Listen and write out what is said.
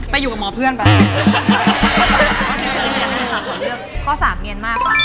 ไปอยู่กับหมอเพื่อนก่อน